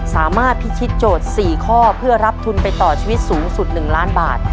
สามารถพิชิตโจทย์๔ข้อเพื่อรับทุนไปต่อชีวิตสูงสุด๑ล้านบาท